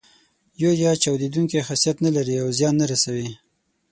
یوریا چاودیدونکی خاصیت نه لري او زیان نه رسوي.